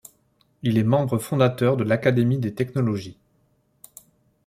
Il est membre fondateur de l'Académie des technologies.